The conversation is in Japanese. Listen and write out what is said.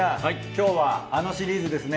今日はあのシリーズですね。